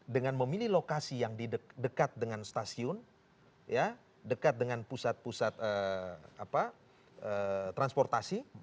dengan memilih lokasi yang dekat dengan stasiun dekat dengan pusat pusat transportasi